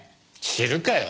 知るかよ！